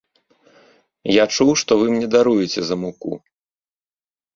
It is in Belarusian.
Я чуў, што вы мне даруеце за муку.